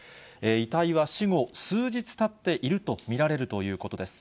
遺体は死後数日たっていると見られるということです。